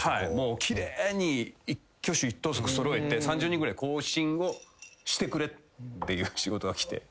奇麗に一挙手一投足揃えて３０人ぐらいで行進をしてくれって仕事が来て。